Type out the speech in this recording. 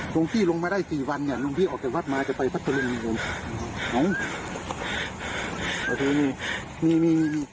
ลุงพี่ลงมาได้สี่วันลุงพี่ออกจากวัดมาจะไปพัฒน์ตะโยม